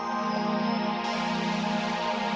buat beneran bebas kecacat